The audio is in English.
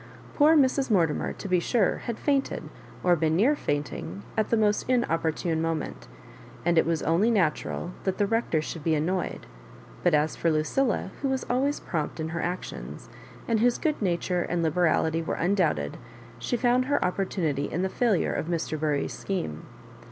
Poor Mrs. Morti mer, to be sure, had fainted, or been near faint ing, at the most inopportune moment, and it was only natural that the Rector should be annoyed ; but as for Lucilla, who was always prompt in her actions, and whose good nature and liberality were undoubted, she found her opportunity in the failure of Mr. Bury*s scheme.